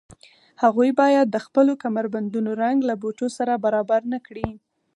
هغوی باید د خپلو کمربندونو رنګ له بټوو سره برابر نه کړي